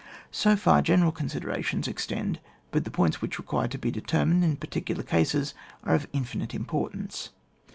So far, general considerations extend, but the points which require to be de termined, in particular cases are of infinite importance.